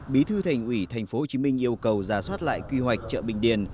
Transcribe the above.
bí thư thành ủy tp hcm yêu cầu giả soát lại quy hoạch chợ bình điền